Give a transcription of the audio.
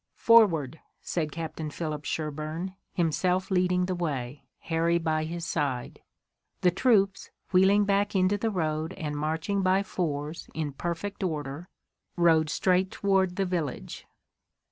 "Forward!" said Captain Philip Sherburne, himself leading the way, Harry by his side. The troops, wheeling back into the road and marching by fours in perfect order, rode straight toward the village.